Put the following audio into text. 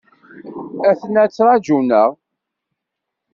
Aten-a ttrajun-aɣ.